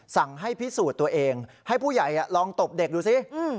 สั่งให้พิสูจน์ตัวเองให้ผู้ใหญ่ลองตบเด็กดูสิ